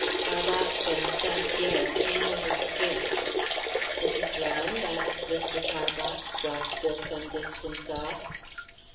Tarbox and St. Pierre came in a skiff. "Is he drowned?" asked Mr. Tarbox, while still some distance off.